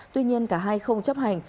tuy nhiên cả hai không chấp hành